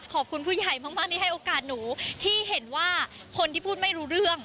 ขอบคุณผู้ใหญ่มากที่ให้โอกาสหนูที่เห็นว่าคนที่พูดไม่รู้เรื่อง